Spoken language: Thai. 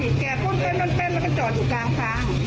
เหตุแก่ต้นเต้นท้นเต้นแล้วก็จออยู่กลางท้าง